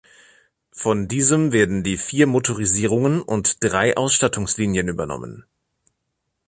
Von diesem werden die vier Motorisierungen und drei Ausstattungslinien übernommen.